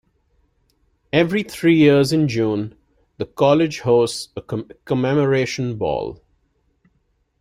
Every three years in June, the college hosts a commemoration ball.